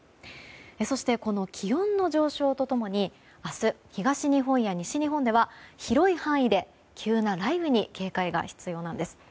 そして、この気温の上昇と共に明日、東日本や西日本では広い範囲で急な雷雨に警戒が必要なんです。